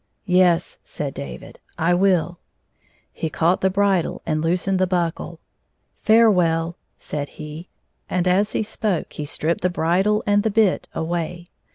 " Yes," said David, " I will. He caught the hridle and loosed the buckle. " Farewell," said he, and as he spoke he stripped the bridle and the bit away.